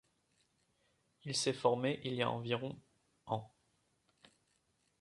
Il s'est formé il y a environ ans.